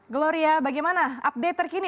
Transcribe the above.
gloria bagaimana update terkini